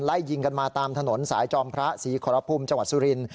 ไล่ยิงกันมาตามถนนสายจอมพระศรีขอรพุมจังหวัดสุรินท